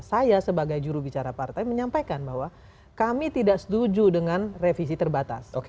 saya sebagai jurubicara partai menyampaikan bahwa kami tidak setuju dengan revisi terbatas